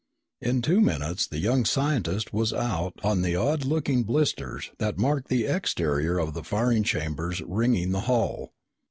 In two minutes the young scientist was out on the odd looking blisters that marked the exterior of the firing chambers ringing the hull.